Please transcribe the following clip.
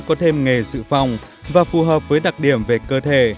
có thêm nghề dự phòng và phù hợp với đặc điểm về cơ thể